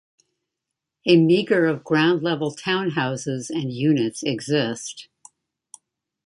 A meagre of ground-level townhouses and units exist.